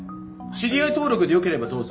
知り合い登録でよければどうぞ。